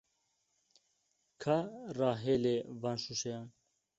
Ka rahêle van şûşeyan.